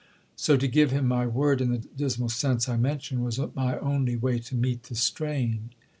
So to give him my word in the dismal sense I mention was my only way to meet the strain."